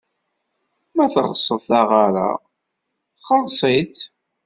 Ma teɣsed taɣara, xelleṣ-itt.